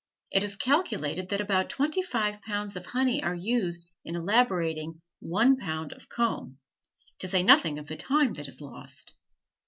It is calculated that about twenty five pounds of honey are used in elaborating one pound of comb, to say nothing of the time that is lost.